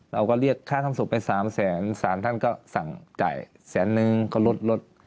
เราก็เรียกค่าทำศพไป๓แสนศาลท่านก็สั่งจ่ายแสนนึงก็ลดลด